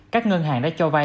các ngân hàng đã cho vai